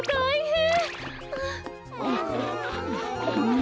ん？